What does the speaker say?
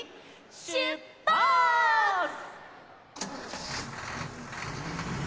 しゅっぱつ！